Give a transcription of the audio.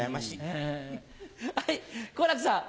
はい好楽さん。